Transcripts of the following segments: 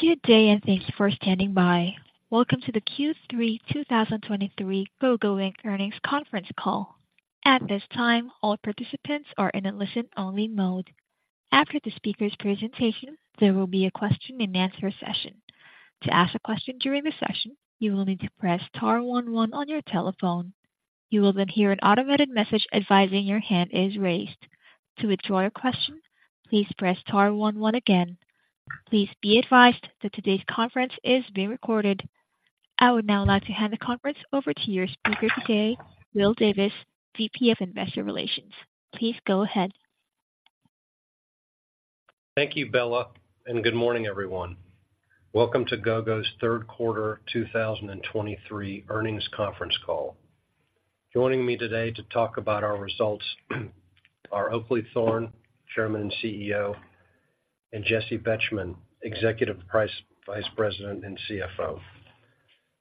Good day, and thanks for standing by. Welcome to the Q3 2023 Gogo Inc. Earnings Conference Call. At this time, all participants are in a listen-only mode. After the speaker's presentation, there will be a question-and-answer session. To ask a question during the session, you will need to press star one one on your telephone. You will then hear an automated message advising your hand is raised. To withdraw your question, please press star one one again. Please be advised that today's conference is being recorded. I would now like to hand the conference over to your speaker today, Will Davis, VP of Investor Relations. Please go ahead. Thank you, Bella, and good morning, everyone. Welcome to Gogo's Q3 2023 earnings conference call. Joining me today to talk about our results are Oakleigh Thorne, Chairman and CEO, and Jessi Betjemann, Executive Vice President and CFO.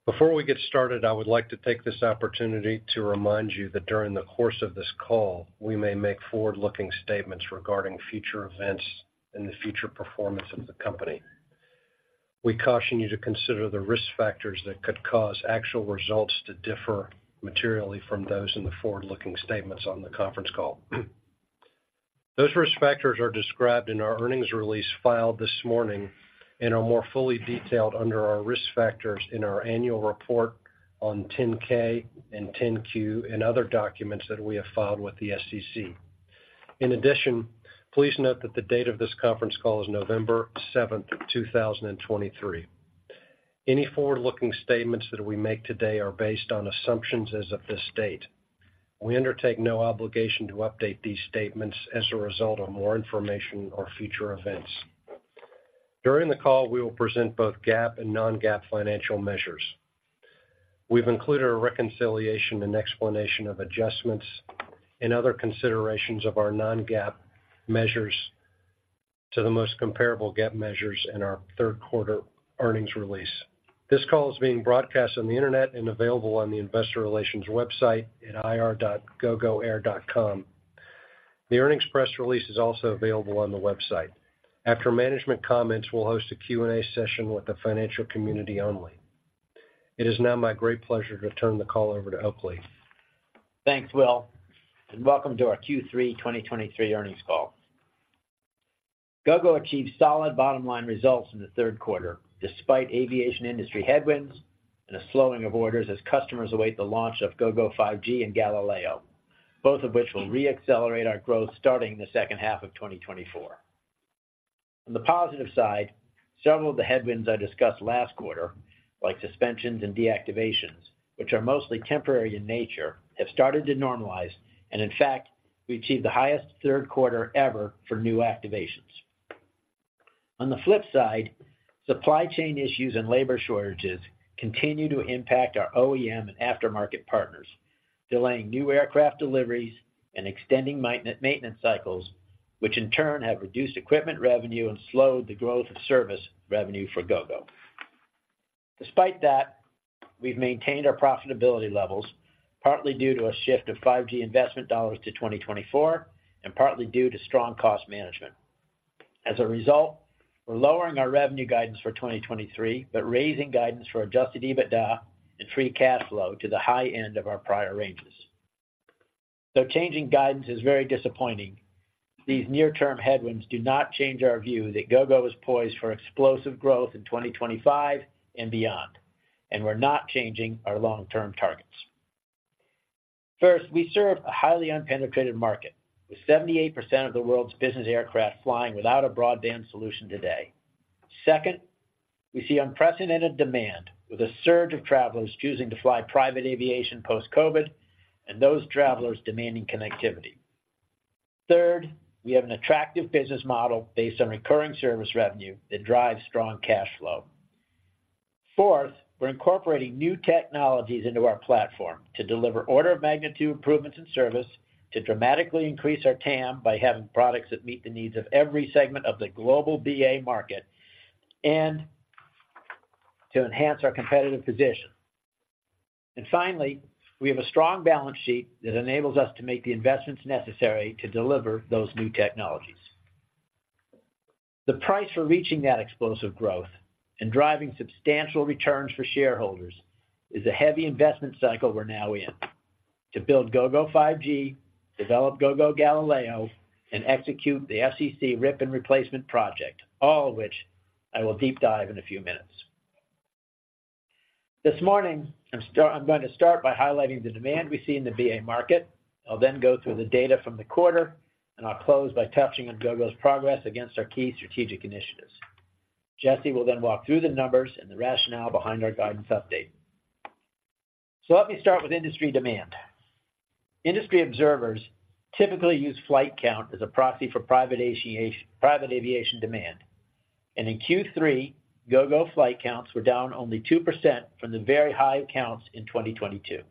Before we get started, I would like to take this opportunity to remind you that during the course of this call, we may make forward-looking statements regarding future events and the future performance of the company. We caution you to consider the risk factors that could cause actual results to differ materially from those in the forward-looking statements on the conference call. Those risk factors are described in our earnings release filed this morning and are more fully detailed under our risk factors in our annual report on 10-K and 10-Q and other documents that we have filed with the SEC. In addition, please note that the date of this conference call is November 7, 2023. Any forward-looking statements that we make today are based on assumptions as of this date. We undertake no obligation to update these statements as a result of more information or future events. During the call, we will present both GAAP and non-GAAP financial measures. We've included a reconciliation and explanation of adjustments and other considerations of our non-GAAP measures to the most comparable GAAP measures in our Q3 earnings release. This call is being broadcast on the Internet and available on the investor relations website at ir.gogoair.com. The earnings press release is also available on the website. After management comments, we'll host a Q&A session with the financial community only. It is now my great pleasure to turn the call over to Oakleigh. Thanks, Will, and welcome to our Q3 2023 earnings call. Gogo achieved solid bottom-line results in the Q3, despite aviation industry headwinds and a slowing of orders as customers await the launch of Gogo 5G and Galileo, both of which will re-accelerate our growth starting the second half of 2024. On the positive side, several of the headwinds I discussed last quarter, like suspensions and deactivations, which are mostly temporary in nature, have started to normalize, and in fact, we achieved the highest Q3 ever for new activations. On the flip side, supply chain issues and labor shortages continue to impact our OEM and aftermarket partners, delaying new aircraft deliveries and extending maintenance cycles, which in turn have reduced equipment revenue and slowed the growth of service revenue for Gogo. Despite that, we've maintained our profitability levels, partly due to a shift of 5G investment dollars to 2024, and partly due to strong cost management. As a result, we're lowering our revenue guidance for 2023, but raising guidance for adjusted EBITDA and free cash flow to the high end of our prior ranges. Though changing guidance is very disappointing, these near-term headwinds do not change our view that Gogo is poised for explosive growth in 2025 and beyond, and we're not changing our long-term targets. First, we serve a highly unpenetrated market, with 78% of the world's business aircraft flying without a broadband solution today. Second, we see unprecedented demand, with a surge of travelers choosing to fly private aviation post-COVID, and those travelers demanding connectivity. Third, we have an attractive business model based on recurring service revenue that drives strong cash flow. Fourth, we're incorporating new technologies into our platform to deliver order of magnitude improvements in service, to dramatically increase our TAM by having products that meet the needs of every segment of the global BA market, and to enhance our competitive position. Finally, we have a strong balance sheet that enables us to make the investments necessary to deliver those new technologies. The price for reaching that explosive growth and driving substantial returns for shareholders is a heavy investment cycle we're now in. To build Gogo 5G, develop Gogo Galileo, and execute the FCC rip-and-replace project, all of which I will deep dive in a few minutes. This morning, I'm going to start by highlighting the demand we see in the BA market. I'll then go through the data from the quarter, and I'll close by touching on Gogo's progress against our key strategic initiatives. Jessi will then walk through the numbers and the rationale behind our guidance update. So let me start with industry demand. Industry observers typically use flight count as a proxy for private aviation demand, and in Q3, Gogo flight counts were down only 2% from the very high counts in 2022,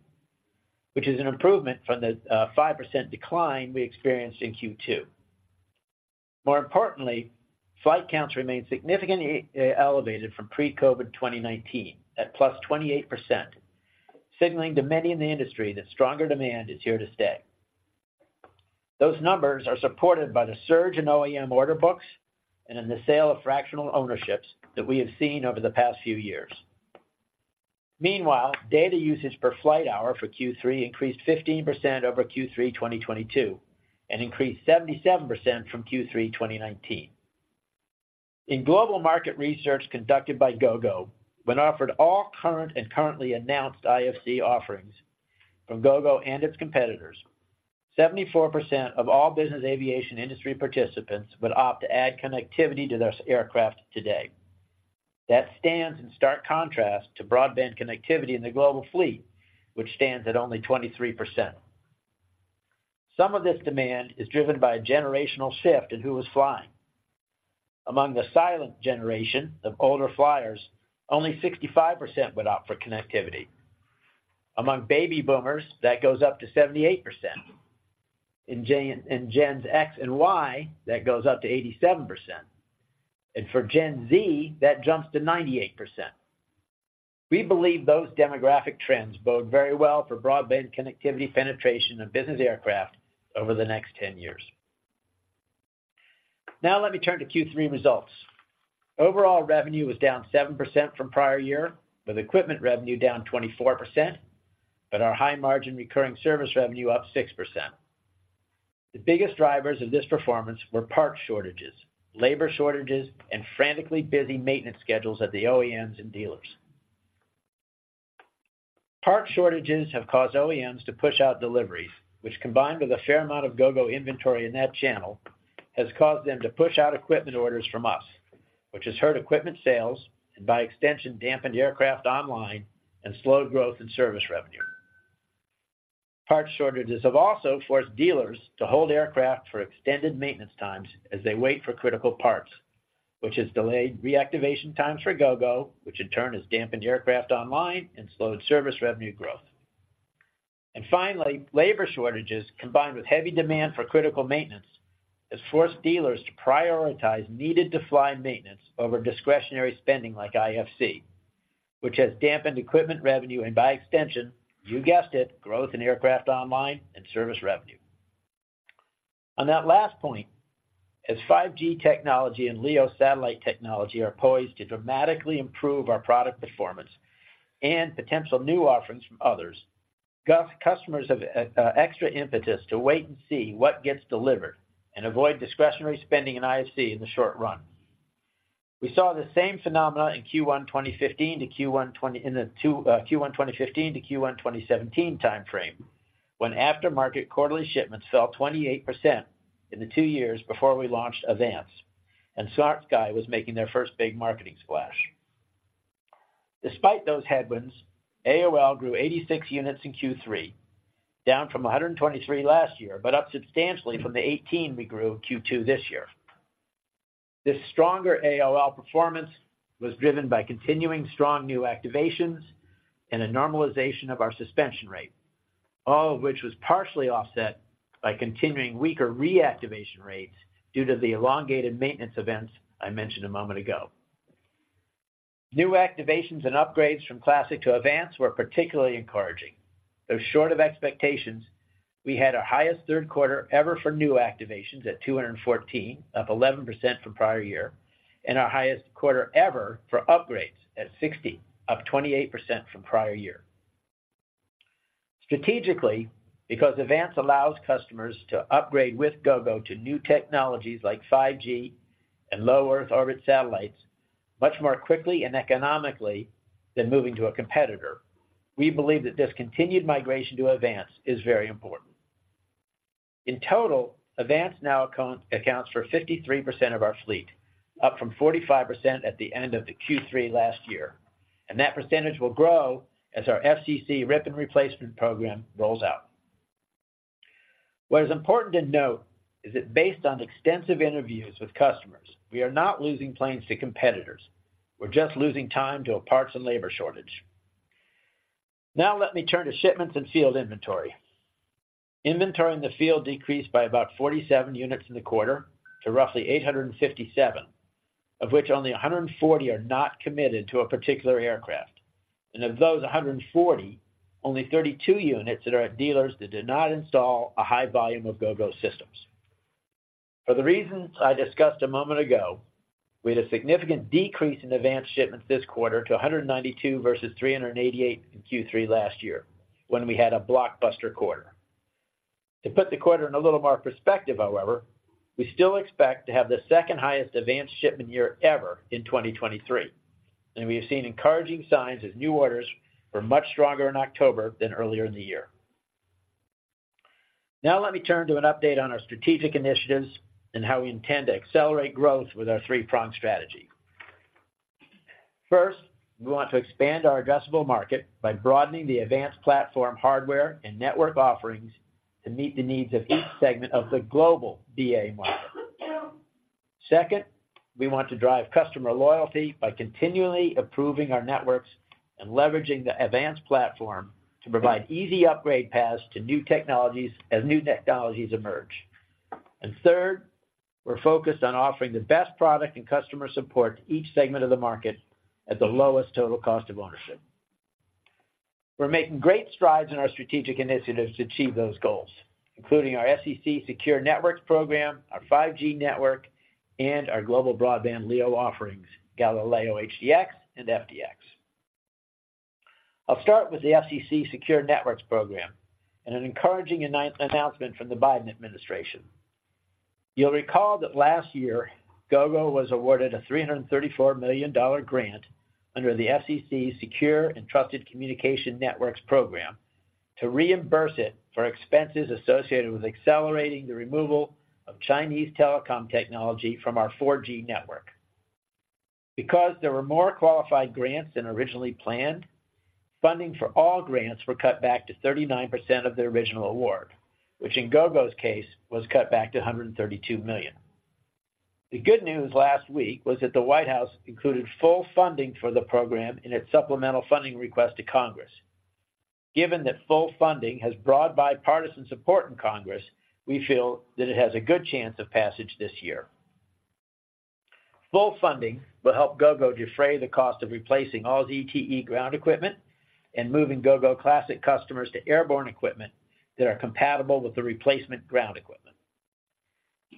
which is an improvement from the 5% decline we experienced in Q2. More importantly, flight counts remain significantly elevated from pre-COVID 2019 at +28%, signaling to many in the industry that stronger demand is here to stay. Those numbers are supported by the surge in OEM order books and in the sale of fractional ownerships that we have seen over the past few years. Meanwhile, data usage per flight hour for Q3 increased 15% over Q3 2022, and increased 77% from Q3 2019. In global market research conducted by Gogo, when offered all current and currently announced IFC offerings from Gogo and its competitors, 74% of all business aviation industry participants would opt to add connectivity to their aircraft today. That stands in stark contrast to broadband connectivity in the global fleet, which stands at only 23%. Some of this demand is driven by a generational shift in who is flying. Among the silent generation of older flyers, only 65% would opt for connectivity. Among baby boomers, that goes up to 78%. In Gen X and Y, that goes up to 87%. And for Gen Z, that jumps to 98%. We believe those demographic trends bode very well for broadband connectivity penetration of business aircraft over the next 10 years. Now, let me turn to Q3 results. Overall revenue was down 7% from prior year, with equipment revenue down 24%, but our high-margin recurring service revenue up 6%. The biggest drivers of this performance were parts shortages, labor shortages, and frantically busy maintenance schedules at the OEMs and dealers. Parts shortages have caused OEMs to push out deliveries, which, combined with a fair amount of Gogo inventory in that channel, has caused them to push out equipment orders from us, which has hurt equipment sales and by extension, dampened aircraft online and slowed growth in service revenue. Parts shortages have also forced dealers to hold aircraft for extended maintenance times as they wait for critical parts, which has delayed reactivation times for Gogo, which in turn has dampened aircraft online and slowed service revenue growth. Finally, labor shortages, combined with heavy demand for critical maintenance, has forced dealers to prioritize needed-to-fly maintenance over discretionary spending like IFC, which has dampened equipment revenue and by extension, you guessed it, growth in aircraft online and service revenue. On that last point, as 5G technology and LEO satellite technology are poised to dramatically improve our product performance and potential new offerings from others, our customers have extra impetus to wait and see what gets delivered and avoid discretionary spending in IFC in the short run. We saw the same phenomena in Q1 2015 to Q1 2017 time frame, when after-market quarterly shipments fell 28% in the two years before we launched AVANCE, and SmartSky was making their first big marketing splash. Despite those headwinds, AOL grew 86 units in Q3, down from 123 last year, but up substantially from the 18 we grew in Q2 this year. This stronger AOL performance was driven by continuing strong new activations and a normalization of our suspension rate, all of which was partially offset by continuing weaker reactivation rates due to the elongated maintenance events I mentioned a moment ago. New activations and upgrades from Classic to AVANCE were particularly encouraging. Though short of expectations, we had our highest Q3 ever for new activations at 214, up 11% from prior year, and our highest quarter ever for upgrades at 60, up 28% from prior year. Strategically, because AVANCE allows customers to upgrade with Gogo to new technologies like 5G and low Earth orbit satellites much more quickly and economically than moving to a competitor, we believe that this continued migration to AVANCE is very important. In total, AVANCE now accounts for 53% of our fleet, up from 45% at the end of the Q3 last year, and that percentage will grow as our FCC rip and replacement program rolls out. What is important to note is that based on extensive interviews with customers, we are not losing planes to competitors. We're just losing time to a parts and labor shortage. Now let me turn to shipments and field inventory. Inventory in the field decreased by about 47 units in the quarter to roughly 857, of which only 140 are not committed to a particular aircraft. Of those 140, only 32 units that are at dealers that do not install a high volume of Gogo systems. For the reasons I discussed a moment ago, we had a significant decrease in AVANCE shipments this quarter to 192 versus 388 in Q3 last year, when we had a blockbuster quarter. To put the quarter in a little more perspective, however, we still expect to have the second highest AVANCE shipment year ever in 2023, and we have seen encouraging signs as new orders were much stronger in October than earlier in the year. Now, let me turn to an update on our strategic initiatives and how we intend to accelerate growth with our three-pronged strategy. First, we want to expand our addressable market by broadening the AVANCE platform, hardware, and network offerings to meet the needs of each segment of the global BA market. Second, we want to drive customer loyalty by continually improving our networks and leveraging the advanced platform to provide easy upgrade paths to new technologies as new technologies emerge. And third, we're focused on offering the best product and customer support to each segment of the market at the lowest total cost of ownership.... We're making great strides in our strategic initiatives to achieve those goals, including our FCC Secure Networks program, our 5G network, and our global broadband LEO offerings, Galileo HDX and FDX. I'll start with the FCC Secure Networks program and an encouraging announcement from the Biden administration. You'll recall that last year, Gogo was awarded a $334 million grant under the FCC's Secure and Trusted Communication Networks program to reimburse it for expenses associated with accelerating the removal of Chinese telecom technology from our 4G network. Because there were more qualified grants than originally planned, funding for all grants were cut back to 39% of their original award, which in Gogo's case, was cut back to $132 million. The good news last week was that the White House included full funding for the program in its supplemental funding request to Congress. Given that full funding has broad bipartisan support in Congress, we feel that it has a good chance of passage this year. Full funding will help Gogo defray the cost of replacing all ZTE ground equipment and moving Gogo Classic customers to airborne equipment that are compatible with the replacement ground equipment.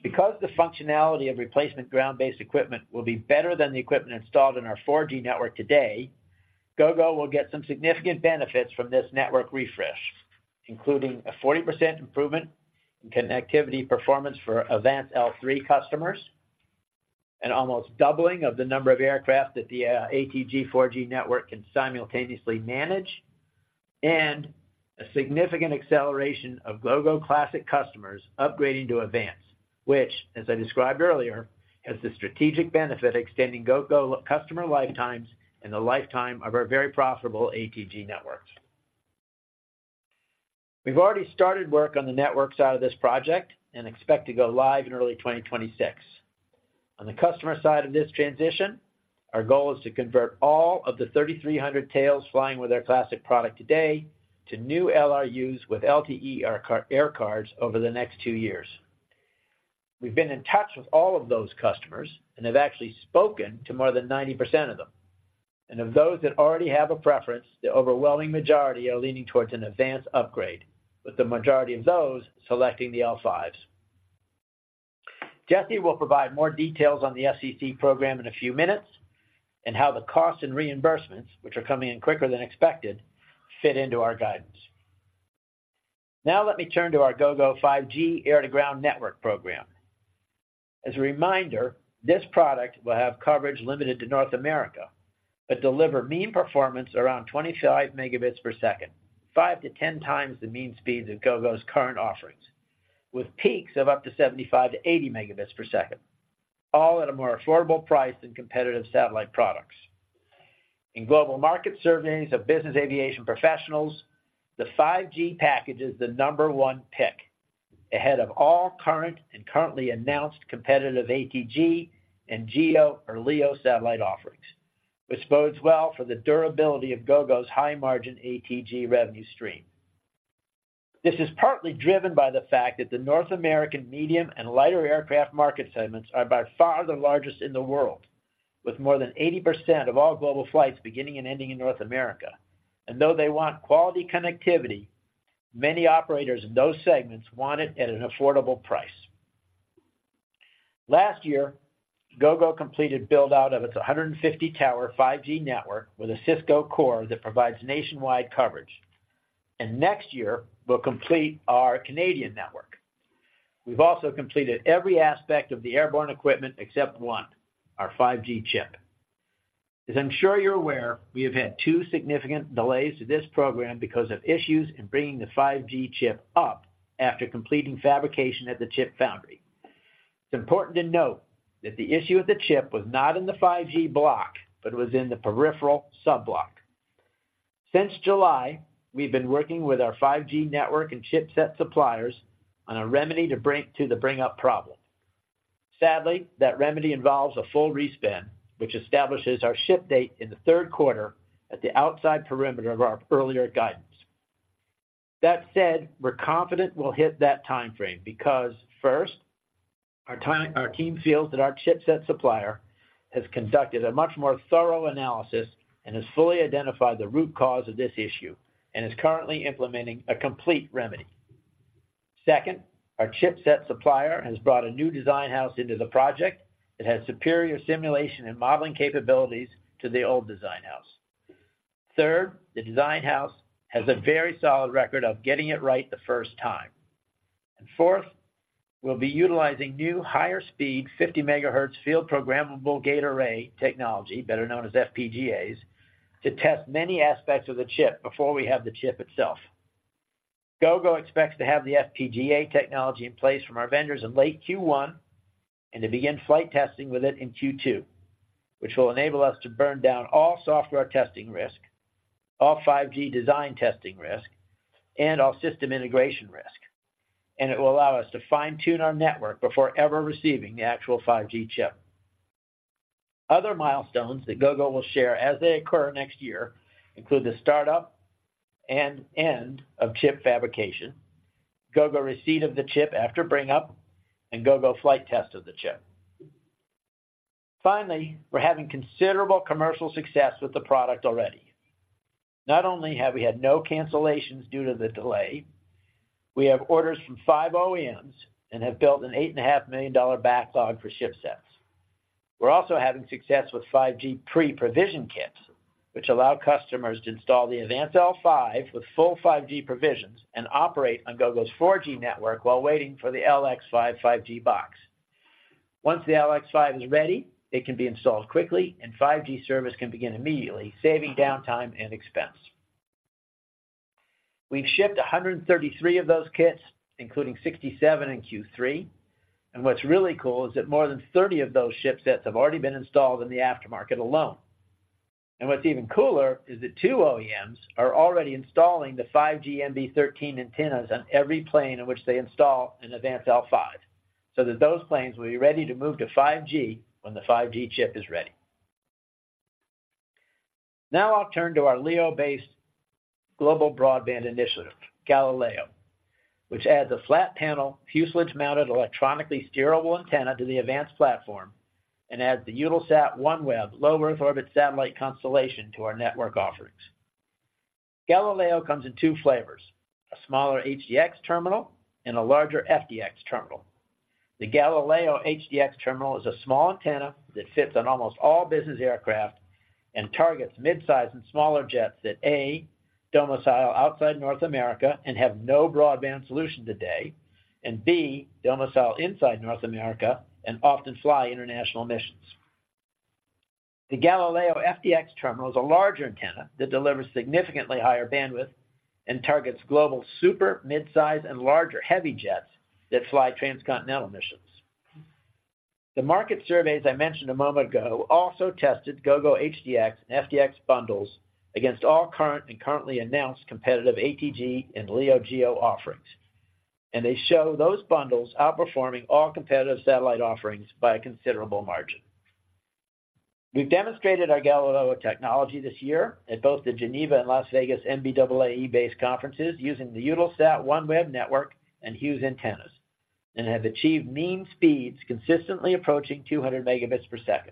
Because the functionality of replacement ground-based equipment will be better than the equipment installed in our 4G network today, Gogo will get some significant benefits from this network refresh, including a 40% improvement in connectivity performance for AVANCE L3 customers, an almost doubling of the number of aircraft that the ATG 4G network can simultaneously manage, and a significant acceleration of Gogo Classic customers upgrading to AVANCE, which, as I described earlier, has the strategic benefit of extending Gogo customer lifetimes and the lifetime of our very profitable ATG networks. We've already started work on the network side of this project and expect to go live in early 2026. On the customer side of this transition, our goal is to convert all of the 3,300 tails flying with our Classic product today to new LRUs with LTE air cards over the next two years. We've been in touch with all of those customers and have actually spoken to more than 90% of them. Of those that already have a preference, the overwhelming majority are leaning towards an advanced upgrade, with the majority of those selecting the L5s. Jessi will provide more details on the FCC program in a few minutes, and how the costs and reimbursements, which are coming in quicker than expected, fit into our guidance. Now let me turn to our Gogo 5G air-to-ground network program. As a reminder, this product will have coverage limited to North America, but deliver mean performance around 25 Mbps, 5-10 times the mean speeds of Gogo's current offerings, with peaks of up to 75-80 Mbps, all at a more affordable price than competitive satellite products. In global market surveys of business aviation professionals, the 5G package is the number one pick, ahead of all current and currently announced competitive ATG and GEO or LEO satellite offerings, which bodes well for the durability of Gogo's high-margin ATG revenue stream. This is partly driven by the fact that the North American medium and lighter aircraft market segments are by far the largest in the world, with more than 80% of all global flights beginning and ending in North America. And though they want quality connectivity, many operators in those segments want it at an affordable price. Last year, Gogo completed build-out of its 150-tower 5G network with a Cisco core that provides nationwide coverage, and next year, we'll complete our Canadian network. We've also completed every aspect of the airborne equipment except one, our 5G chip. As I'm sure you're aware, we have had two significant delays to this program because of issues in bringing the 5G chip up after completing fabrication at the chip foundry. It's important to note that the issue with the chip was not in the 5G block, but was in the peripheral sub-block. Since July, we've been working with our 5G network and chipset suppliers on a remedy to the bring-up problem. Sadly, that remedy involves a full re-spin, which establishes our ship date in the Q3 at the outside perimeter of our earlier guidance. That said, we're confident we'll hit that time frame because, first, our team feels that our chipset supplier has conducted a much more thorough analysis and has fully identified the root cause of this issue and is currently implementing a complete remedy. Second, our chipset supplier has brought a new design house into the project that has superior simulation and modeling capabilities to the old design house. Third, the design house has a very solid record of getting it right the first time. And fourth, we'll be utilizing new, higher-speed, 50 MHz field programmable gate array technology, better known as FPGAs, to test many aspects of the chip before we have the chip itself. Gogo expects to have the FPGA technology in place from our vendors in late Q1 and to begin flight testing with it in Q2, which will enable us to burn down all software testing risk, all 5G design testing risk, and all system integration risk. It will allow us to fine-tune our network before ever receiving the actual 5G chip. Other milestones that Gogo will share as they occur next year include the startup and end of chip fabrication, Gogo receipt of the chip after bring-up, and Gogo flight test of the chip. Finally, we're having considerable commercial success with the product already. Not only have we had no cancellations due to the delay, we have orders from five OEMs and have built an $8.5 million backlog for ship sets. We're also having success with 5G pre-provision kits, which allow customers to install the AVANCE L5 with full 5G provisions and operate on Gogo's 4G network while waiting for the LX5 5G box. Once the LX5 is ready, it can be installed quickly and 5G service can begin immediately, saving downtime and expense. We've shipped 133 of those kits, including 67 in Q3, and what's really cool is that more than 30 of those ship sets have already been installed in the aftermarket alone. And what's even cooler is that 2 OEMs are already installing the 5G MB13 antennas on every plane in which they install an AVANCE L5, so that those planes will be ready to move to 5G when the 5G chip is ready. Now I'll turn to our LEO-based global broadband initiative, Galileo, which adds a flat panel, fuselage-mounted, electronically steerable antenna to the advanced platform and adds the Eutelsat OneWeb low Earth orbit satellite constellation to our network offerings. Galileo comes in two flavors, a smaller HDX terminal and a larger FDX terminal. The Galileo HDX terminal is a small antenna that fits on almost all business aircraft and targets midsize and smaller jets that, A, domicile outside North America and have no broadband solution today, and B, domicile inside North America and often fly international missions. The Galileo FDX terminal is a larger antenna that delivers significantly higher bandwidth and targets global, super midsize, and larger heavy jets that fly transcontinental missions. The market surveys I mentioned a moment ago also tested Gogo HDX and FDX bundles against all current and currently announced competitive ATG and LEO GEO offerings, and they show those bundles outperforming all competitive satellite offerings by a considerable margin. We've demonstrated our Galileo technology this year at both the Geneva and Las Vegas NBAA-BACE conferences using the Eutelsat OneWeb network and Hughes antennas, and have achieved mean speeds consistently approaching 200 Mbps.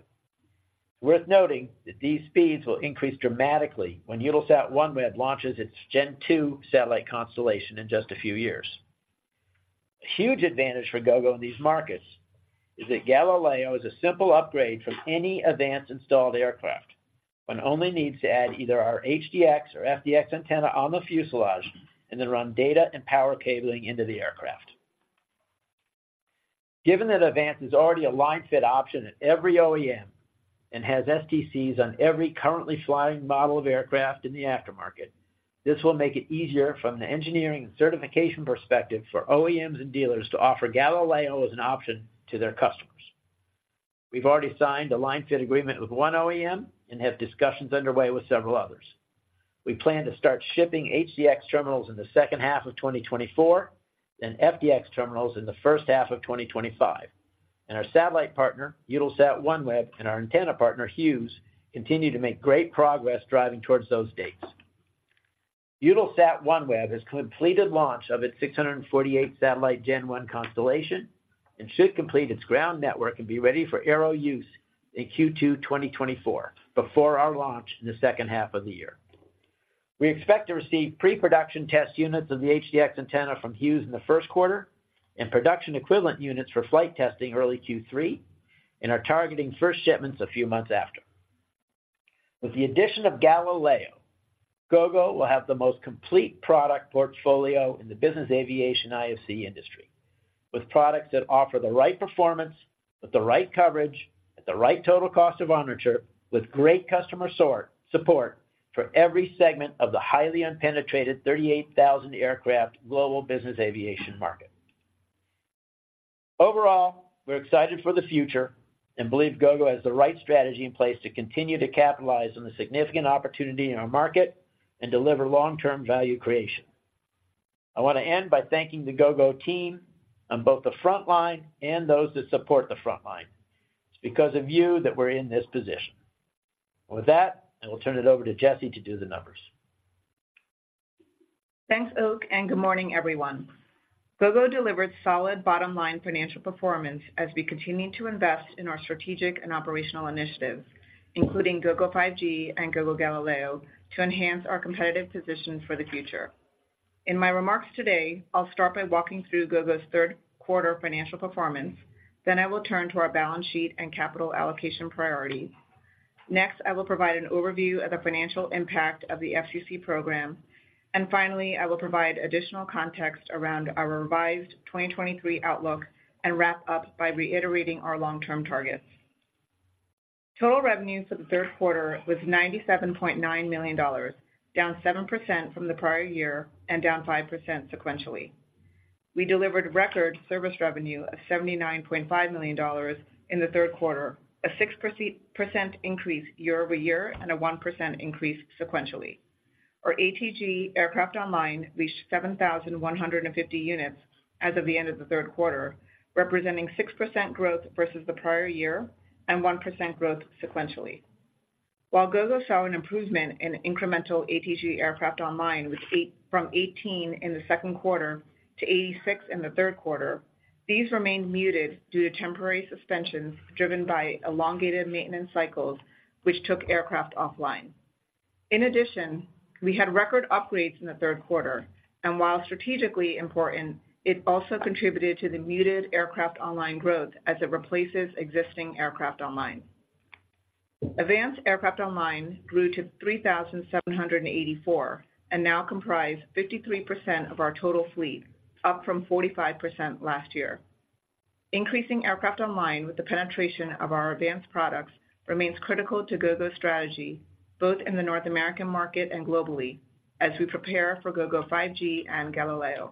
Worth noting that these speeds will increase dramatically when Eutelsat OneWeb launches its Gen 2 satellite constellation in just a few years. A huge advantage for Gogo in these markets is that Galileo is a simple upgrade from any advanced installed aircraft. One only needs to add either our HDX or FDX antenna on the fuselage and then run data and power cabling into the aircraft. Given that AVANCE is already a line-fit option at every OEM and has STCs on every currently flying model of aircraft in the aftermarket, this will make it easier from the engineering and certification perspective for OEMs and dealers to offer Galileo as an option to their customers. We've already signed a line fit agreement with one OEM and have discussions underway with several others. We plan to start shipping HDX terminals in the second half of 2024, then FDX terminals in the first half of 2025, and our satellite partner, Eutelsat OneWeb, and our antenna partner, Hughes, continue to make great progress driving towards those dates. Eutelsat OneWeb has completed launch of its 648 satellite Gen One constellation and should complete its ground network and be ready for aero use in Q2 2024, before our launch in the second half of the year. We expect to receive pre-production test units of the HDX antenna from Hughes in the Q1 and production equivalent units for flight testing early Q3, and are targeting first shipments a few months after. With the addition of Galileo, Gogo will have the most complete product portfolio in the business aviation IFC industry, with products that offer the right performance, at the right coverage, at the right total cost of ownership, with great customer support for every segment of the highly unpenetrated 38,000 aircraft global business aviation market. Overall, we're excited for the future and believe Gogo has the right strategy in place to continue to capitalize on the significant opportunity in our market and deliver long-term value creation. I want to end by thanking the Gogo team on both the front line and those that support the front line. It's because of you that we're in this position. With that, I will turn it over to Jessi to do the numbers. Thanks, Oak, and good morning, everyone. Gogo delivered solid bottom-line financial performance as we continue to invest in our strategic and operational initiatives, including Gogo 5G and Gogo Galileo, to enhance our competitive positions for the future. In my remarks today, I'll start by walking through Gogo's Q3 financial performance. Then I will turn to our balance sheet and capital allocation priorities. Next, I will provide an overview of the financial impact of the FCC program. And finally, I will provide additional context around our revised 2023 outlook and wrap up by reiterating our long-term targets. Total revenues for the Q3 was $97.9 million, down 7% from the prior year and down 5% sequentially. We delivered record service revenue of $79.5 million in the Q3, a 6% increase year-over-year, and a 1% increase sequentially. Our ATG aircraft online reached 7,150 units as of the end of the Q3, representing 6% growth versus the prior year and 1% growth sequentially. While Gogo saw an improvement in incremental ATG aircraft online, with 8, from 18 in the Q2 to 86 in the Q3, these remained muted due to temporary suspensions driven by elongated maintenance cycles, which took aircraft offline. In addition, we had record upgrades in the Q3, and while strategically important, it also contributed to the muted aircraft online growth as it replaces existing aircraft online. Advanced Aircraft Online grew to 3,784, and now comprise 53% of our total fleet, up from 45% last year. Increasing aircraft online with the penetration of our advanced products, remains critical to Gogo's strategy, both in the North American market and globally, as we prepare for Gogo 5G and Galileo.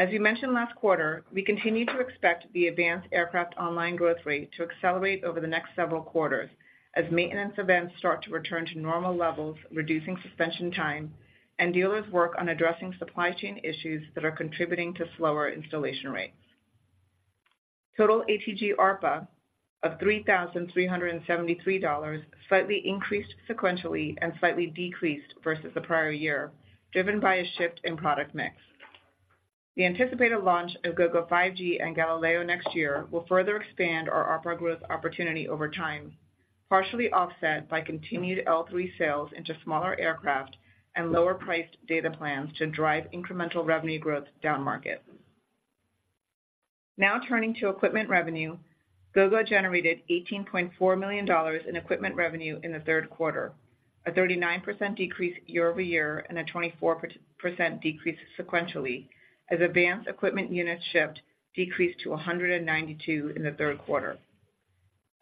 As we mentioned last quarter, we continue to expect the advanced aircraft online growth rate to accelerate over the next several quarters, as maintenance events start to return to normal levels, reducing suspension time, and dealers work on addressing supply chain issues that are contributing to slower installation rates. Total ATG ARPU of $3,373 slightly increased sequentially and slightly decreased versus the prior year, driven by a shift in product mix. The anticipated launch of Gogo 5G and Galileo next year will further expand our ARPU growth opportunity over time, partially offset by continued L3 sales into smaller aircraft and lower-priced data plans to drive incremental revenue growth down market. Now turning to equipment revenue. Gogo generated $18.4 million in equipment revenue in the Q3, a 39% decrease year-over-year and a 24% decrease sequentially, as advanced equipment units shipped decreased to 192 in the Q3.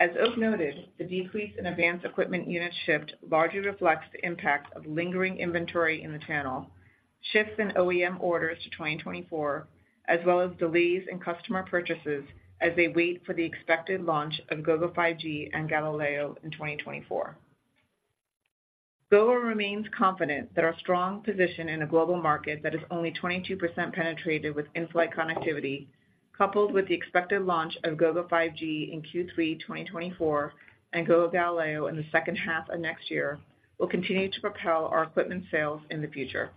As Oak noted, the decrease in advanced equipment units shipped largely reflects the impact of lingering inventory in the channel, shifts in OEM orders to 2024, as well as delays in customer purchases as they wait for the expected launch of Gogo 5G and Galileo in 2024. Gogo remains confident that our strong position in a global market that is only 22% penetrated with in-flight connectivity, coupled with the expected launch of Gogo 5G in Q3 2024 and Gogo Galileo in the second half of next year, will continue to propel our equipment sales in the future.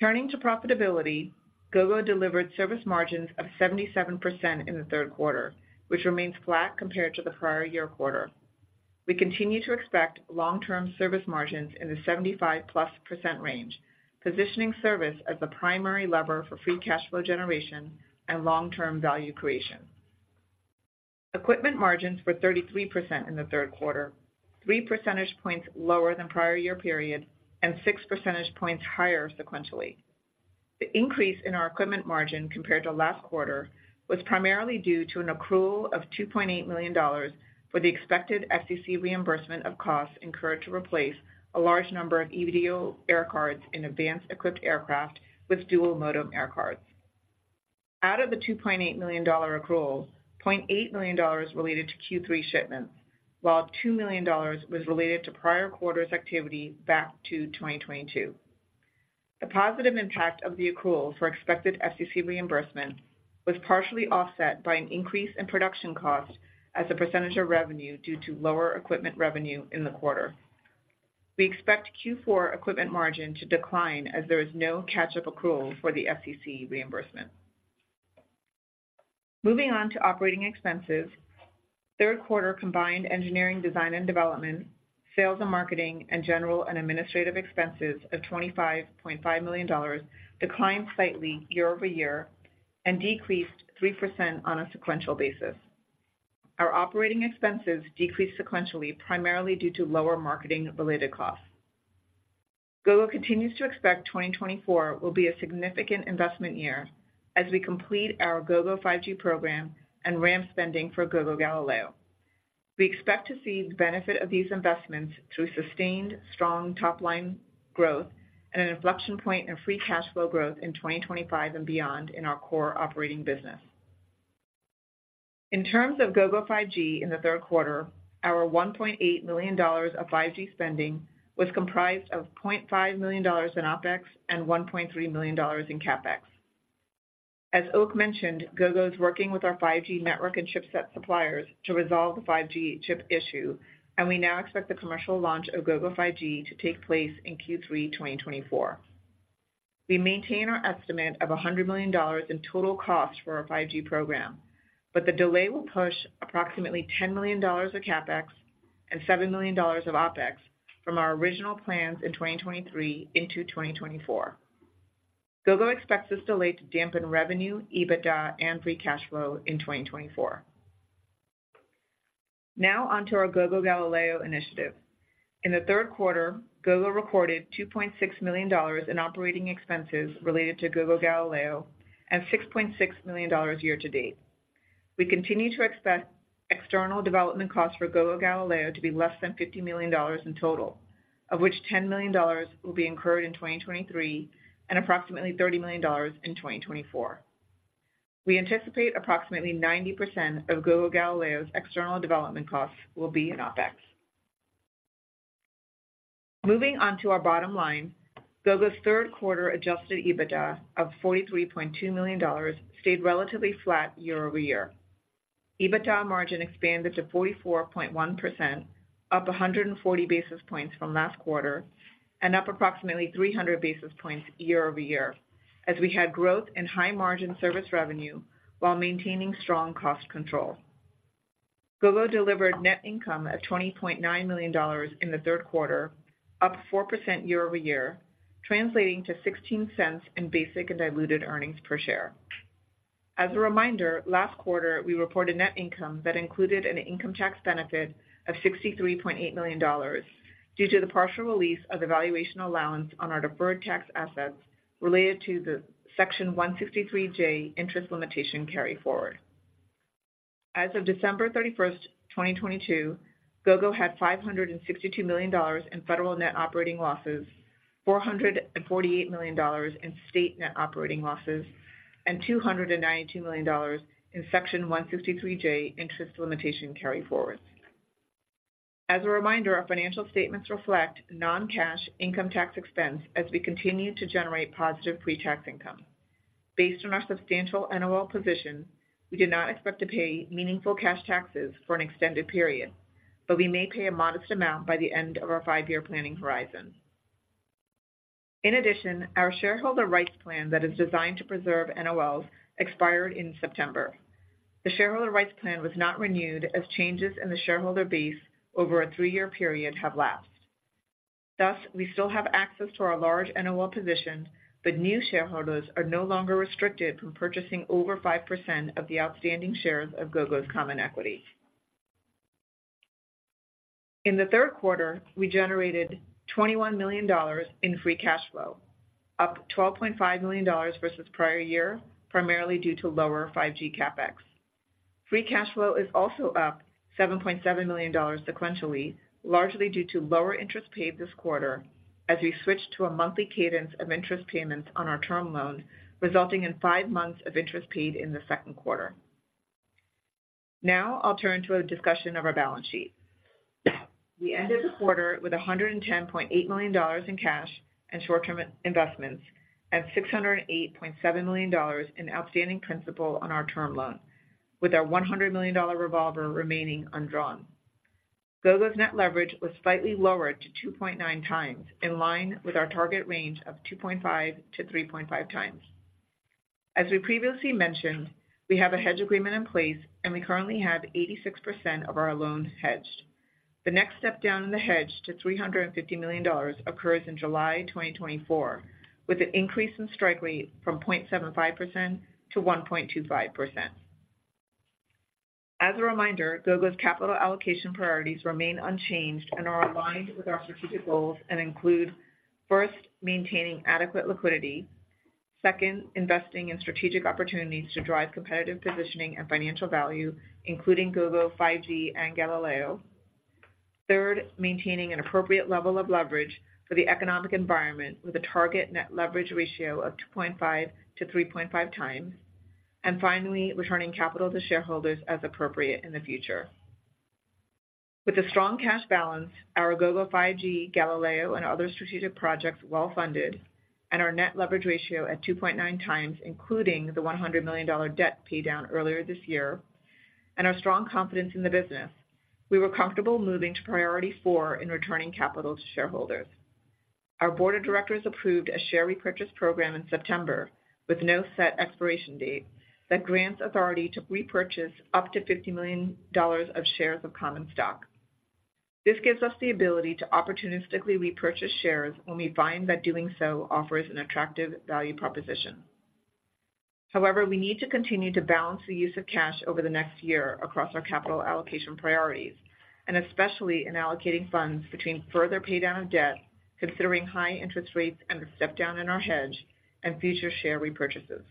Turning to profitability, Gogo delivered service margins of 77% in the Q3, which remains flat compared to the prior year quarter. We continue to expect long-term service margins in the 75%+ range, positioning service as the primary lever for free cash flow generation and long-term value creation. Equipment margins were 33% in the Q3, 3 percentage points lower than prior year period and 6 percentage points higher sequentially. The increase in our equipment margin compared to last quarter was primarily due to an accrual of $2.8 million for the expected FCC reimbursement of costs incurred to replace a large number of EVDO air cards in AVANCE-equipped aircraft with dual modem air cards. Out of the $2.8 million dollar accrual, $0.8 million dollars related to Q3 shipments, while $2 million dollars was related to prior quarters activity back to 2022. The positive impact of the accrual for expected FCC reimbursement was partially offset by an increase in production costs as a percentage of revenue due to lower equipment revenue in the quarter. We expect Q4 equipment margin to decline as there is no catch-up accrual for the FCC reimbursement. Moving on to operating expenses. Q3 combined engineering, design and development, sales and marketing, and general and administrative expenses of $25.5 million declined slightly year-over-year and decreased 3% on a sequential basis. Our operating expenses decreased sequentially, primarily due to lower marketing-related costs. Gogo continues to expect 2024 will be a significant investment year as we complete our Gogo 5G program and ramp spending for Gogo Galileo. We expect to see the benefit of these investments through sustained, strong top-line growth and an inflection point in free cash flow growth in 2025 and beyond in our core operating business. In terms of Gogo 5G in the Q3, our $1.8 million of 5G spending was comprised of $0.5 million in OpEx and $1.3 million in CapEx. As Oak mentioned, Gogo is working with our 5G network and chipset suppliers to resolve the 5G chip issue, and we now expect the commercial launch of Gogo 5G to take place in Q3 2024. We maintain our estimate of $100 million in total costs for our 5G program, but the delay will push approximately $10 million of CapEx and $7 million of OpEx from our original plans in 2023 into 2024. Gogo expects this delay to dampen revenue, EBITDA, and free cash flow in 2024. Now onto our Gogo Galileo initiative. In the Q3, Gogo recorded $2.6 million in operating expenses related to Gogo Galileo and $6.6 million year to date. We continue to expect external development costs for Gogo Galileo to be less than $50 million in total, of which $10 million will be incurred in 2023, and approximately $30 million in 2024. We anticipate approximately 90% of Gogo Galileo's external development costs will be in OpEx. Moving on to our bottom line, Gogo's Q3 adjusted EBITDA of $43.2 million stayed relatively flat year-over-year. EBITDA margin expanded to 44.1%, up 140 basis points from last quarter, and up approximately 300 basis points year-over-year, as we had growth in high-margin service revenue while maintaining strong cost control. Gogo delivered net income of $20.9 million in the Q3, up 4% year-over-year, translating to $0.16 in basic and diluted earnings per share. As a reminder, last quarter, we reported net income that included an income tax benefit of $63.8 million due to the partial release of the valuation allowance on our deferred tax assets related to the Section 163(j) interest limitation carryforward. As of December 31, 2022, Gogo had $562 million in federal net operating losses, $448 million in state net operating losses, and $292 million in Section 163(j) interest limitation carryforwards. As a reminder, our financial statements reflect non-cash income tax expense as we continue to generate positive pre-tax income. Based on our substantial NOL position, we do not expect to pay meaningful cash taxes for an extended period, but we may pay a modest amount by the end of our five-year planning horizon. In addition, our shareholder rights plan that is designed to preserve NOLs expired in September. The shareholder rights plan was not renewed as changes in the shareholder base over a three-year period have elapsed. Thus, we still have access to our large NOL position, but new shareholders are no longer restricted from purchasing over 5% of the outstanding shares of Gogo's common equity. In the Q3, we generated $21 million in free cash flow, up $12.5 million versus prior year, primarily due to lower 5G CapEx. Free cash flow is also up $7.7 million sequentially, largely due to lower interest paid this quarter as we switched to a monthly cadence of interest payments on our term loan, resulting in five months of interest paid in the Q2. Now I'll turn to a discussion of our balance sheet. We ended the quarter with $110.8 million in cash and short-term investments, and $608.7 million in outstanding principal on our term loan, with our $100 million revolver remaining undrawn. Gogo's net leverage was slightly lower to 2.9 times, in line with our target range of 2.5-3.5 times. As we previously mentioned, we have a hedge agreement in place, and we currently have 86% of our loans hedged. The next step down in the hedge to $350 million occurs in July 2024, with an increase in strike rate from 0.75% to 1.25%. As a reminder, Gogo's capital allocation priorities remain unchanged and are aligned with our strategic goals and include, first, maintaining adequate liquidity. Second, investing in strategic opportunities to drive competitive positioning and financial value, including Gogo 5G and Galileo. Third, maintaining an appropriate level of leverage for the economic environment with a target net leverage ratio of 2.5-3.5 times. And finally, returning capital to shareholders as appropriate in the future. With a strong cash balance, our Gogo 5G, Galileo, and other strategic projects well-funded, and our net leverage ratio at 2.9 times, including the $100 million debt paydown earlier this year, and our strong confidence in the business, we were comfortable moving to priority four in returning capital to shareholders. Our board of directors approved a share repurchase program in September with no set expiration date that grants authority to repurchase up to $50 million of shares of common stock. This gives us the ability to opportunistically repurchase shares when we find that doing so offers an attractive value proposition. However, we need to continue to balance the use of cash over the next year across our capital allocation priorities, and especially in allocating funds between further paydown of debt, considering high interest rates and the step down in our hedge and future share repurchases.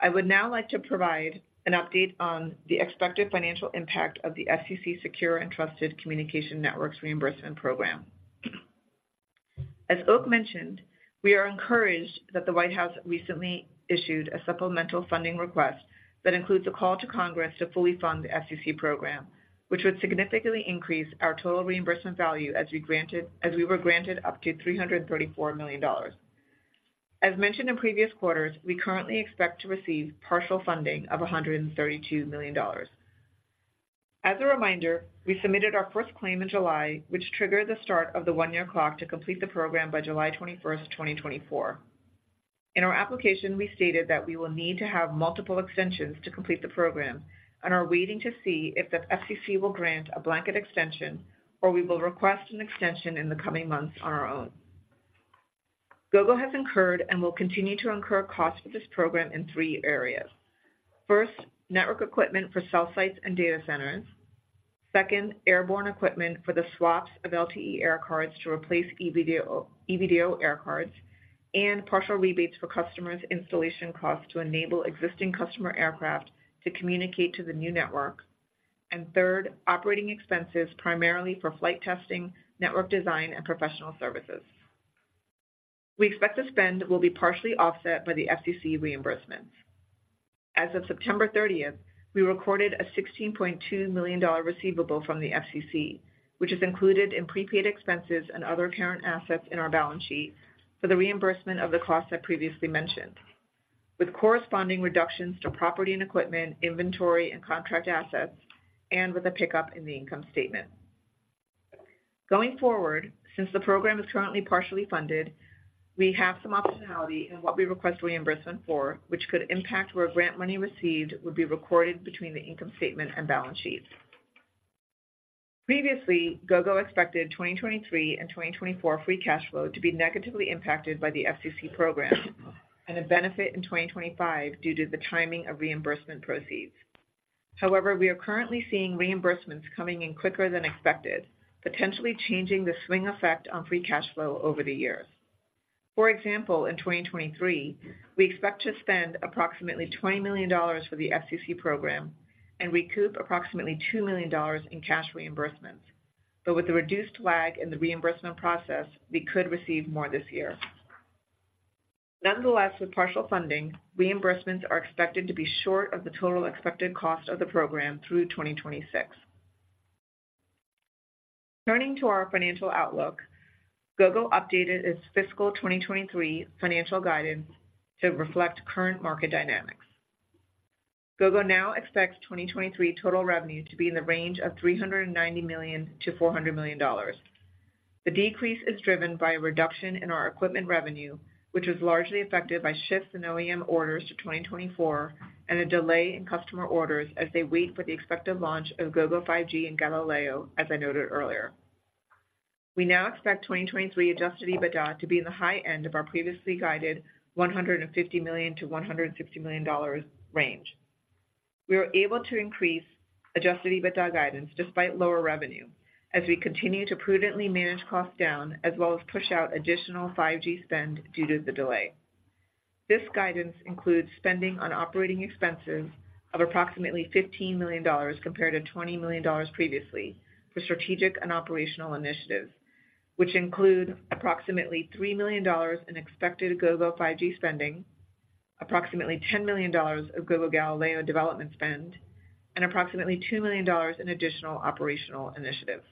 I would now like to provide an update on the expected financial impact of the FCC Secure and Trusted Communications Networks Reimbursement Program. As Oak mentioned, we are encouraged that the White House recently issued a supplemental funding request that includes a call to Congress to fully fund the FCC program, which would significantly increase our total reimbursement value as we were granted up to $334 million. As mentioned in previous quarters, we currently expect to receive partial funding of $132 million. As a reminder, we submitted our first claim in July, which triggered the start of the one-year clock to complete the program by July 21, 2024. In our application, we stated that we will need to have multiple extensions to complete the program and are waiting to see if the FCC will grant a blanket extension, or we will request an extension in the coming months on our own. Gogo has incurred and will continue to incur costs for this program in three areas. First, network equipment for cell sites and data centers. Second, airborne equipment for the swaps of LTE air cards to replace EVDO, EVDO air cards, and partial rebates for customers' installation costs to enable existing customer aircraft to communicate to the new network. And third, operating expenses, primarily for flight testing, network design, and professional services. We expect the spend will be partially offset by the FCC reimbursements. As of September thirtieth, we recorded a $16.2 million receivable from the FCC, which is included in prepaid expenses and other current assets in our balance sheet for the reimbursement of the costs I previously mentioned, with corresponding reductions to property and equipment, inventory and contract assets, and with a pickup in the income statement. Going forward, since the program is currently partially funded, we have some optionality in what we request reimbursement for, which could impact where grant money received would be recorded between the income statement and balance sheet. Previously, Gogo expected 2023 and 2024 free cash flow to be negatively impacted by the FCC program, and a benefit in 2025 due to the timing of reimbursement proceeds. However, we are currently seeing reimbursements coming in quicker than expected, potentially changing the swing effect on free cash flow over the years. For example, in 2023, we expect to spend approximately $20 million for the FCC program and recoup approximately $2 million in cash reimbursements. But with the reduced lag in the reimbursement process, we could receive more this year. Nonetheless, with partial funding, reimbursements are expected to be short of the total expected cost of the program through 2026. Turning to our financial outlook, Gogo updated its fiscal 2023 financial guidance to reflect current market dynamics. Gogo now expects 2023 total revenue to be in the range of $390 million-$400 million. The decrease is driven by a reduction in our equipment revenue, which is largely affected by shifts in OEM orders to 2024 and a delay in customer orders as they wait for the expected launch of Gogo 5G and Gogo Galileo, as I noted earlier. We now expect 2023 adjusted EBITDA to be in the high end of our previously guided $150 million-$160 million range. We are able to increase adjusted EBITDA guidance despite lower revenue, as we continue to prudently manage costs down, as well as push out additional 5G spend due to the delay. This guidance includes spending on operating expenses of approximately $15 million compared to $20 million previously for strategic and operational initiatives, which include approximately $3 million in expected Gogo 5G spending, approximately $10 million of Gogo Galileo development spend, and approximately $2 million in additional operational initiatives.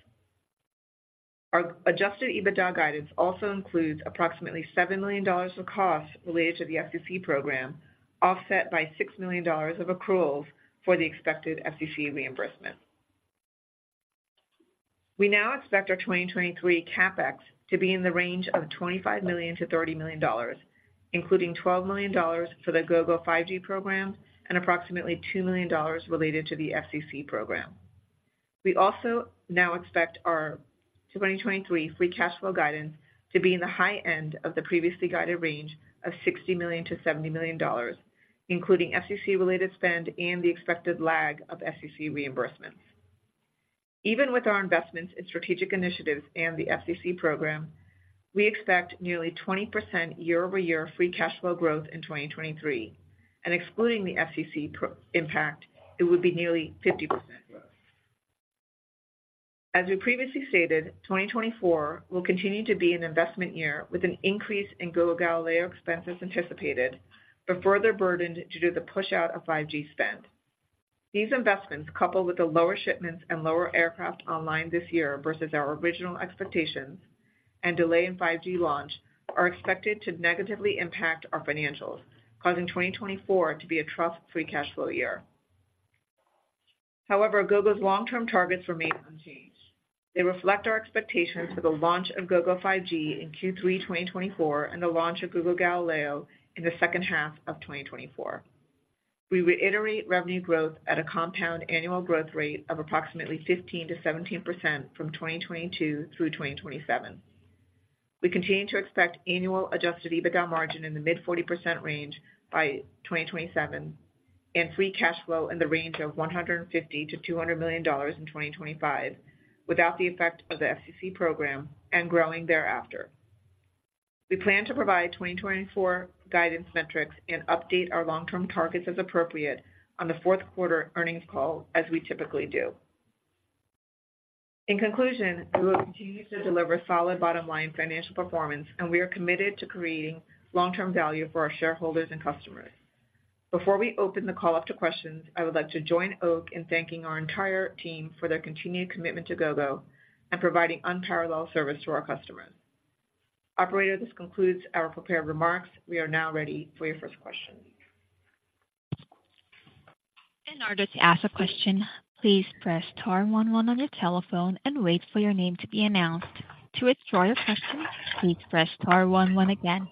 Our adjusted EBITDA guidance also includes approximately $7 million of costs related to the FCC program, offset by $6 million of accruals for the expected FCC reimbursement. We now expect our 2023 CapEx to be in the range of $25 million-$30 million, including $12 million for the Gogo 5G program and approximately $2 million related to the FCC program. We also now expect our 2023 free cash flow guidance to be in the high end of the previously guided range of $60 million-$70 million, including FCC-related spend and the expected lag of FCC reimbursements. Even with our investments in strategic initiatives and the FCC program, we expect nearly 20% year-over-year free cash flow growth in 2023, and excluding the FCC program impact, it would be nearly 50%. As we previously stated, 2024 will continue to be an investment year with an increase in Gogo Galileo expenses anticipated, but further burdened due to the push out of 5G spend. These investments, coupled with the lower shipments and lower aircraft online this year versus our original expectations and delay in 5G launch, are expected to negatively impact our financials, causing 2024 to be a tough free cash flow year. However, Gogo's long-term targets remain unchanged. They reflect our expectations for the launch of Gogo 5G in Q3 2024 and the launch of Gogo Galileo in the second half of 2024. We reiterate revenue growth at a compound annual growth rate of approximately 15%-17% from 2022 through 2027. We continue to expect annual adjusted EBITDA margin in the mid-40% range by 2027, and free cash flow in the range of $150 million-$200 million in 2025, without the effect of the FCC program and growing thereafter. We plan to provide 2024 guidance metrics and update our long-term targets as appropriate on the Q4 earnings call, as we typically do. In conclusion, we will continue to deliver solid bottom-line financial performance, and we are committed to creating long-term value for our shareholders and customers. Before we open the call up to questions, I would like to join Oak in thanking our entire team for their continued commitment to Gogo and providing unparalleled service to our customers. Operator, this concludes our prepared remarks. We are now ready for your first question. In order to ask a question, please press star one one on your telephone and wait for your name to be announced. To withdraw your question, please press star one one again.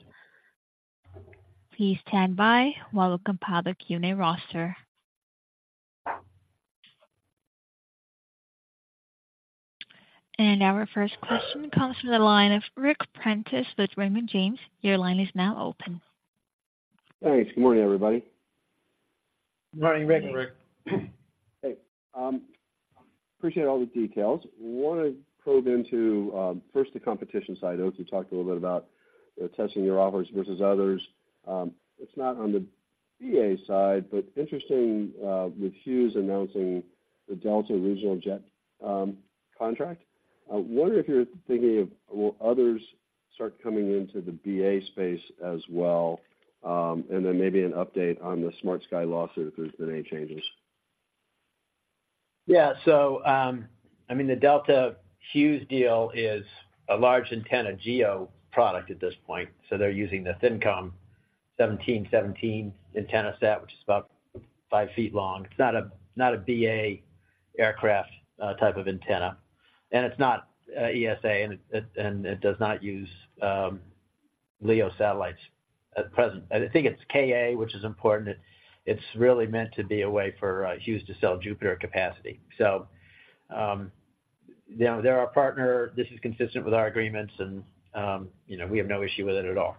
Please stand by while we compile the Q&A roster. Our first question comes from the line of Ric Prentiss with Raymond James. Your line is now open. Thanks. Good morning, everybody. Good morning, Ric. Ric. Hey, appreciate all the details. Want to probe into first, the competition side. Oak, you talked a little bit about the testing your offers versus others. It's not on the BA side, but interesting, with Hughes announcing the Delta regional jet contract. I wonder if you're thinking of, will others start coming into the BA space as well? And then maybe an update on the SmartSky lawsuit, if there's been any changes. Yeah. So, I mean, the Delta Hughes deal is a large antenna GEO product at this point, so they're using the ThinKom 17S17 antenna set, which is about 5 feet long. It's not a, not a BA aircraft type of antenna, and it's not ESA, and it does not use LEO satellites at present. I think it's Ka, which is important. It's really meant to be a way for Hughes to sell Jupiter capacity. So, you know, they're our partner. This is consistent with our agreements, and, you know, we have no issue with it at all.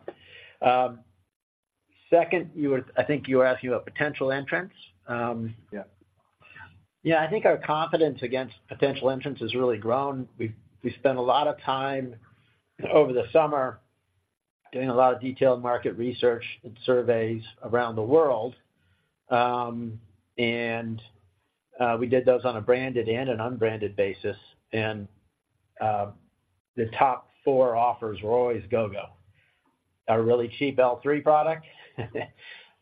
Second, you were, I think you were asking about potential entrants, Yeah. Yeah, I think our confidence against potential entrants has really grown. We spent a lot of time over the summer doing a lot of detailed market research and surveys around the world. And we did those on a branded and an unbranded basis, and the top four offers were always Gogo. Our really cheap L3 product,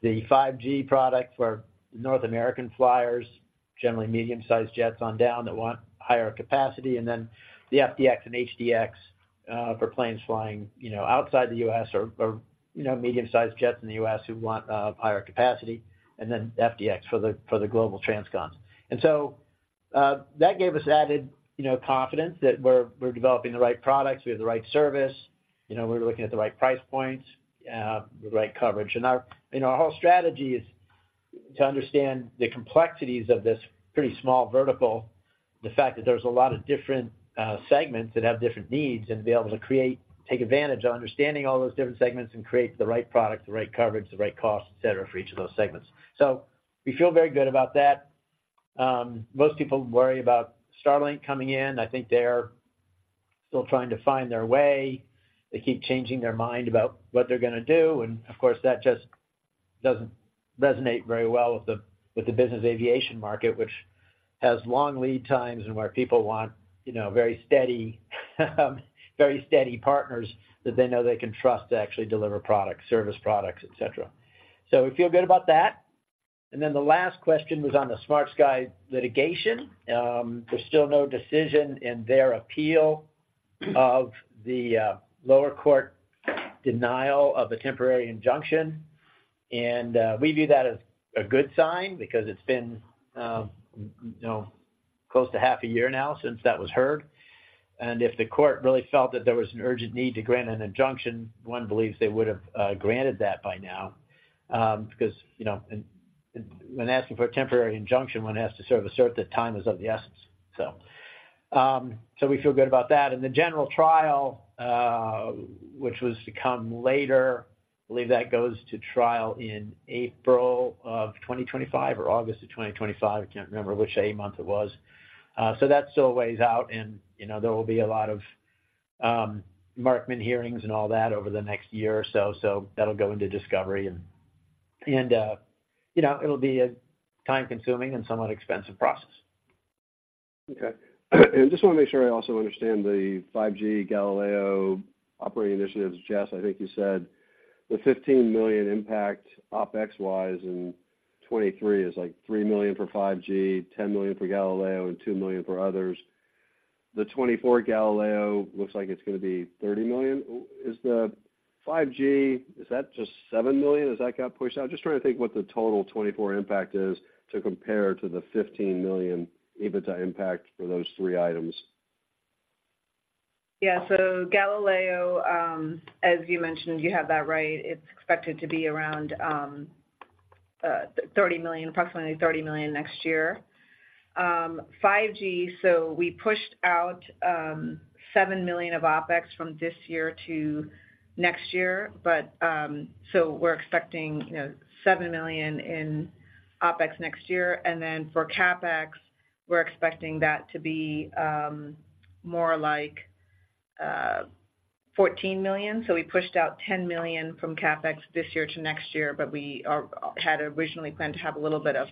the 5G product for North American flyers, generally medium-sized jets on down that want higher capacity, and then the FDX and HDX for planes flying, you know, outside the U.S. or you know, medium-sized jets in the U.S. who want higher capacity, and then FDX for the global transcon. And so that gave us added, you know, confidence that we're developing the right products, we have the right service, you know, we're looking at the right price points, the right coverage. Our whole strategy is to understand the complexities of this pretty small vertical. The fact that there's a lot of different segments that have different needs, and be able to create, take advantage of understanding all those different segments and create the right product, the right coverage, the right cost, et cetera, for each of those segments. So we feel very good about that. Most people worry about Starlink coming in. I think they're still trying to find their way. They keep changing their mind about what they're going to do. And of course, that just doesn't resonate very well with the business aviation market, which has long lead times and where people want, you know, very steady partners that they know they can trust to actually deliver products, service products, et cetera. So we feel good about that. And then the last question was on the SmartSky litigation. There's still no decision in their appeal of the lower court denial of a temporary injunction. And we view that as a good sign because it's been, you know, close to half a year now since that was heard. And if the court really felt that there was an urgent need to grant an injunction, one believes they would have granted that by now. Because, you know, and when asking for a temporary injunction, one has to sort of assert that time is of the essence. So, so we feel good about that. And the general trial, which was to come later, I believe that goes to trial in April 2025 or August 2025. I can't remember which a month it was. So that still weighs out, and, you know, there will be a lot of Markman hearings and all that over the next year or so. So that'll go into discovery, and you know, it'll be a time-consuming and somewhat expensive process. Okay. And just want to make sure I also understand the 5G Galileo operating initiatives. Jess, I think you said the $15 million impact OpEx-wise in 2023 is, like, $3 million for 5G, $10 million for Galileo, and $2 million for others. The 2024 Galileo looks like it's going to be $30 million. Is the 5G, is that just $7 million? Has that got pushed out? Just trying to think what the total 2024 impact is to compare to the $15 million EBITDA impact for those three items. Yeah. So Galileo, as you mentioned, you have that right. It's expected to be around, approximately $30 million next year. 5G, so we pushed out, $7 million of OpEx from this year to next year. But, so we're expecting, you know, $7 million in OpEx next year. And then for CapEx, we're expecting that to be, more like, $14 million. So we pushed out $10 million from CapEx this year to next year, but we are-- had originally planned to have a little bit of,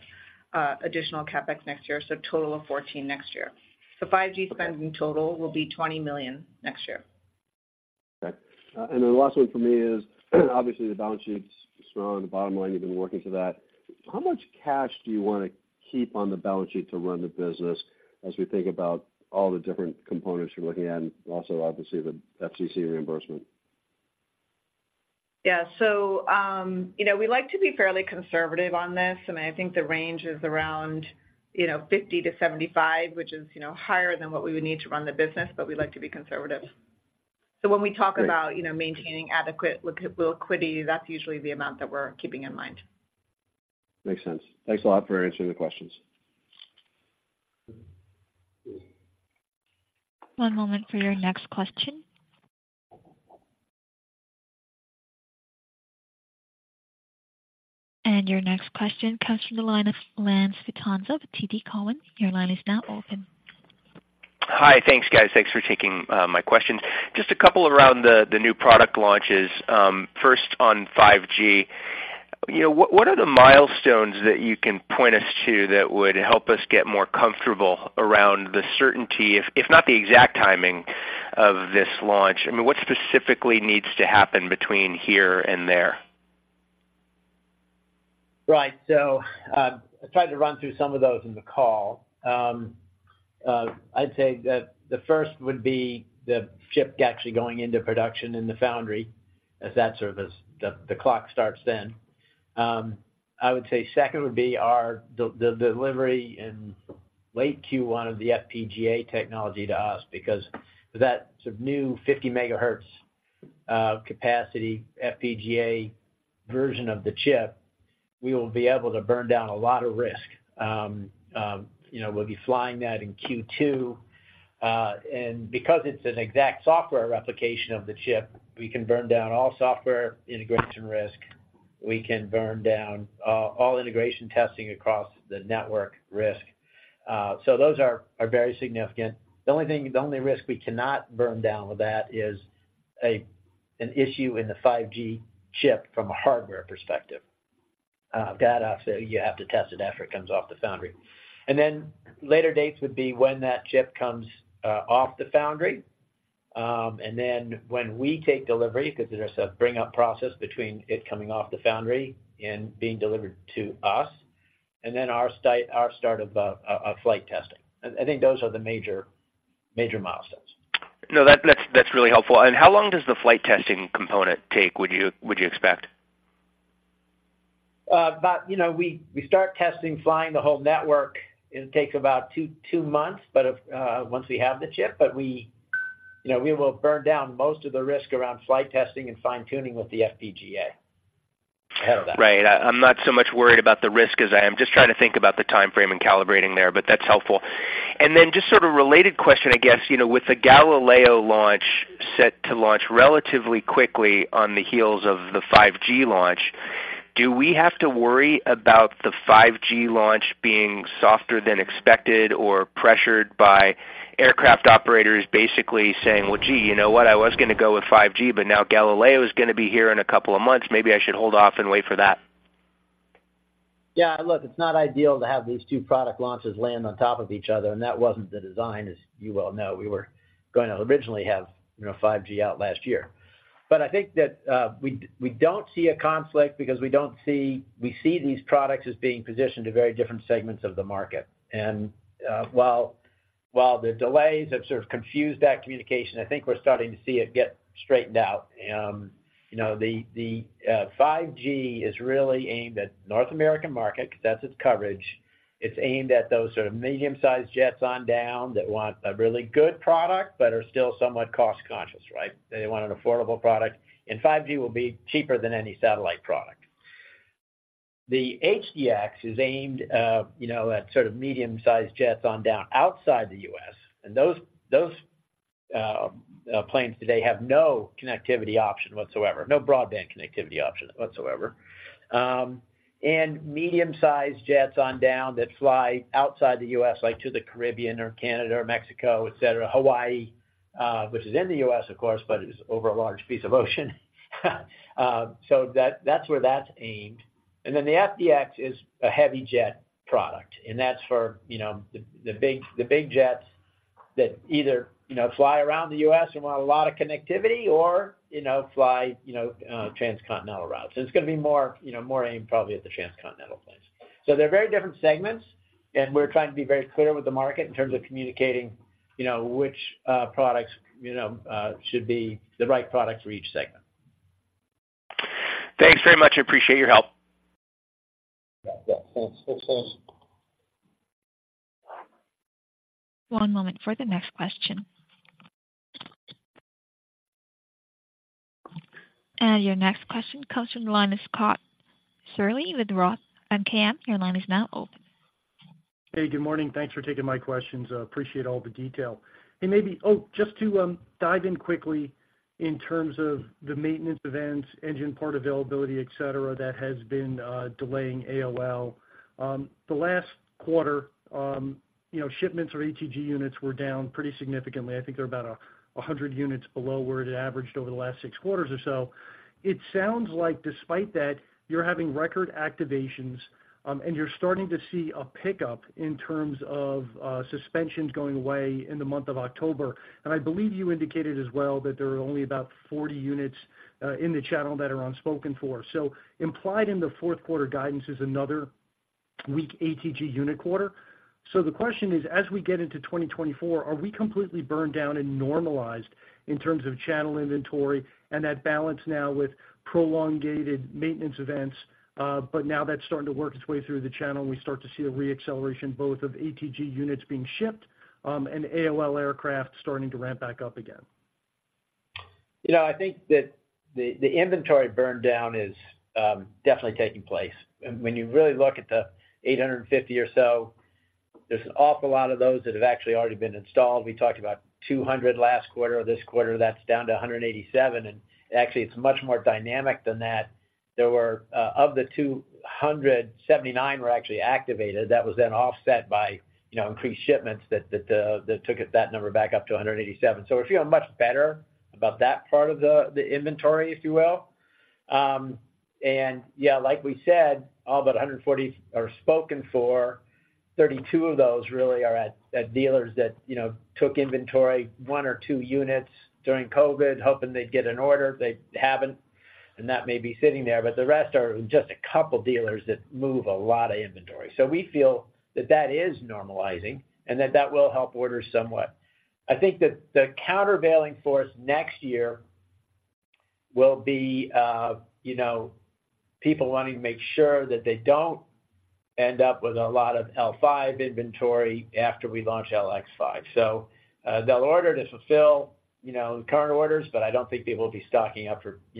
additional CapEx next year, so a total of $14 million next year. So 5G spend in total will be $20 million next year. Okay. And then the last one for me is, obviously, the balance sheet's strong, the bottom line, you've been working to that. How much cash do you want to keep on the balance sheet to run the business as we think about all the different components you're looking at, and also obviously, the FCC reimbursement? Yeah. So, you know, we like to be fairly conservative on this. I mean, I think the range is around, you know, 50-75, which is, you know, higher than what we would need to run the business, but we like to be conservative. So when we talk about- Great... you know, maintaining adequate liquidity, that's usually the amount that we're keeping in mind. Makes sense. Thanks a lot for answering the questions. One moment for your next question. Your next question comes from the line of Lance Vitanza with TD Cowen. Your line is now open. ... Hi. Thanks, guys. Thanks for taking my questions. Just a couple around the new product launches. First, on 5G, you know, what are the milestones that you can point us to that would help us get more comfortable around the certainty, if not the exact timing of this launch? I mean, what specifically needs to happen between here and there? Right. So, I tried to run through some of those in the call. I'd say that the first would be the chip actually going into production in the foundry, as that sort of is, the clock starts then. I would say second would be our delivery in late Q1 of the FPGA technology to us, because with that sort of new 50 megahertz capacity FPGA version of the chip, we will be able to burn down a lot of risk. You know, we'll be flying that in Q2. And because it's an exact software replication of the chip, we can burn down all software integration risk. We can burn down all integration testing across the network risk. So those are very significant. The only thing, the only risk we cannot burn down with that is an issue in the 5G chip from a hardware perspective. That obviously you have to test it after it comes off the foundry. And then, later dates would be when that chip comes off the foundry. And then when we take delivery, because there's a bring-up process between it coming off the foundry and being delivered to us, and then our start of flight testing. I think those are the major, major milestones. No, that's really helpful. And how long does the flight testing component take, would you expect? You know, we start testing, flying the whole network. It takes about 2, 2 months, but once we have the chip. But we, you know, we will burn down most of the risk around flight testing and fine-tuning with the FPGA out of that. Right. I, I'm not so much worried about the risk as I am just trying to think about the timeframe and calibrating there, but that's helpful. And then just sort of a related question, I guess, you know, with the Galileo launch set to launch relatively quickly on the heels of the 5G launch, do we have to worry about the 5G launch being softer than expected or pressured by aircraft operators basically saying, "Well, gee, you know what? I was gonna go with 5G, but now Galileo is gonna be here in a couple of months. Maybe I should hold off and wait for that"? Yeah, look, it's not ideal to have these two product launches land on top of each other, and that wasn't the design, as you well know. We were going to originally have, you know, 5G out last year. But I think that, we don't see a conflict because we don't see, we see these products as being positioned to very different segments of the market. While the delays have sort of confused that communication, I think we're starting to see it get straightened out. You know, the 5G is really aimed at North American market, because that's its coverage. It's aimed at those sort of medium-sized jets on down that want a really good product but are still somewhat cost-conscious, right? They want an affordable product, and 5G will be cheaper than any satellite product. The HDX is aimed, you know, at sort of medium-sized jets on down outside the U.S., and those planes today have no connectivity option whatsoever, no broadband connectivity option whatsoever. And medium-sized jets on down that fly outside the U.S., like to the Caribbean or Canada or Mexico, et cetera, Hawaii, which is in the U.S., of course, but it is over a large piece of ocean. So that's where that's aimed. And then the FDX is a heavy jet product, and that's for, you know, the big jets that either, you know, fly around the U.S. and want a lot of connectivity or, you know, fly transcontinental routes. It's gonna be more, you know, more aimed probably at the transcontinental planes. So they're very different segments, and we're trying to be very clear with the market in terms of communicating, you know, which products, you know, should be the right product for each segment. Thanks very much. I appreciate your help. Yeah. Yeah. Thanks. Thanks, thanks. One moment for the next question. Your next question comes from the line of Scott Searle, with Roth MKM. Your line is now open. Hey, good morning. Thanks for taking my questions. I appreciate all the detail. And maybe... Oh, just to, dive in quickly in terms of the maintenance events, engine part availability, et cetera, that has been, delaying AOL. The last quarter, you know, shipments or ATG units were down pretty significantly. I think they're about 100 units below where it averaged over the last 6 quarters or so. It sounds like despite that, you're having record activations, and you're starting to see a pickup in terms of, suspensions going away in the month of October. And I believe you indicated as well that there are only about 40 units, in the channel that are unspoken for. So implied in the Q4 guidance is another weak ATG unit quarter. So the question is: as we get into 2024, are we completely burned down and normalized in terms of channel inventory and that balance now with prolonged maintenance events, but now that's starting to work its way through the channel, we start to see a re-acceleration both of ATG units being shipped, and AOL aircraft starting to ramp back up again? You know, I think that the inventory burn down is definitely taking place. When you really look at the 850 or so, there's an awful lot of those that have actually already been installed. We talked about 200 last quarter. This quarter, that's down to 187, and actually, it's much more dynamic than that. There were. Of the 200, 79 were actually activated, that was then offset by, you know, increased shipments that took it, that number back up to 187. So we're feeling much better about that part of the inventory, if you will. Yeah, like we said, all but 140 are spoken for. 32 of those really are at dealers that, you know, took inventory, one or two units, during COVID, hoping they'd get an order. They haven't, and that may be sitting there, but the rest are just a couple dealers that move a lot of inventory. So we feel that that is normalizing and that that will help orders somewhat. I think that the countervailing force next year will be, you know, people wanting to make sure that they don't end up with a lot of L5 inventory after we launch LX5. So, they'll order to fulfill, you know, current orders, but I don't think people will be stocking up for, you know-